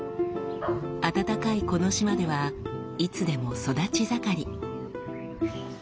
暖かいこの島ではいつでも育ち盛り。